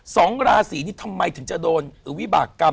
สองราศีนี้ทำไมถึงจะโดนวิบากรรม